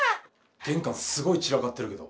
玄関すごい散らかってるけど。